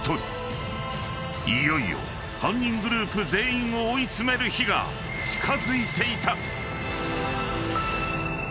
［いよいよ犯人グループ全員を追い詰める日が近づいていた］